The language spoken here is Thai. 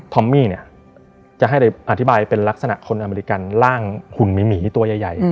อมมี่เนี่ยจะให้อธิบายเป็นลักษณะคนอเมริกันร่างหุ่นหมีตัวใหญ่